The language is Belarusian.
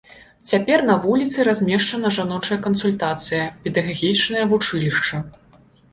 Цяпер на вуліцы размешчана жаночая кансультацыя, педагагічнае вучылішча.